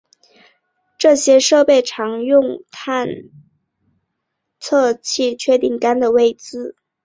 这些设备通常采用磁探测器确定杆的位置。